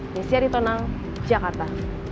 desyari tonang jakarta